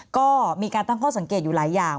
ก็มีการตั้งข้อสังเกตอยู่หลายอย่าง